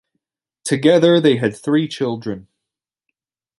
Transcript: Together they had three children.